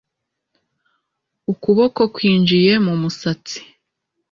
ukuboko kwinjiye mu musatsi